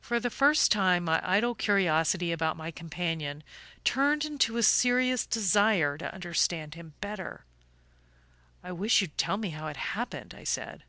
For the first time my idle curiosity about my companion turned into a serious desire to understand him better. "I wish you'd tell me how it happened," I said.